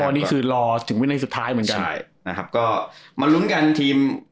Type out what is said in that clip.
วันนี้คือรอถึงวินัยสุดท้ายเหมือนกันใช่นะครับก็มาลุ้นกันทีม